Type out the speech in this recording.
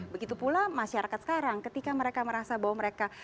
begitu pula masyarakat sekarang ketika mereka merasa bahwa mereka